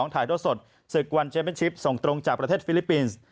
ถ่ายโทษสดศึกวันเชมเป็นชิปส่งตรงจากประเทศฟิลิปปินส์